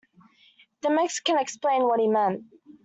The Mexican explained what he meant.